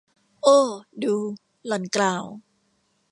โอ้ ดู หล่อนกล่าว